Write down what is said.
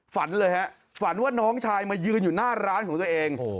ฝันเลยฮะฝันว่าน้องชายมายืนอยู่หน้าร้านของตัวเอง